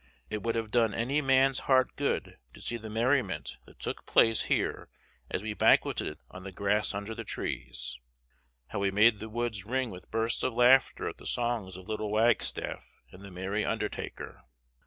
It would have done any man's heart good to see the merriment that took place here as we banqueted on the grass under the trees. How we made the woods ring with bursts of laughter at the songs of little Wagstaff and the merry undertaker!